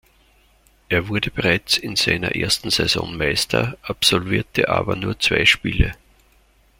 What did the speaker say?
Er wurde bereits in seiner ersten Saison Meister, absolvierte aber nur zwei Spiele.